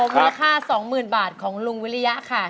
มูลค่า๒๐๐๐บาทของลุงวิริยะค่ะ